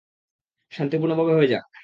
শান্তিপূর্ণভাবে হয়ে যাক।